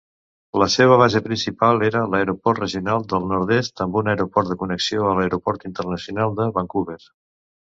La seva base principal era l'aeroport regional del nord-oest, amb un aeroport de connexió a l'aeroport internacional de Vancouver.